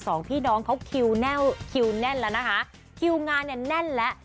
สองพี่น้องเขาคิวแน่วคิวแน่นแล้วนะคะคิวงานเนี่ยแน่นแล้ว